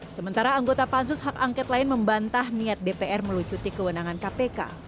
sementara anggota pansus hak angket lain membantah niat dpr melucuti kewenangan kpk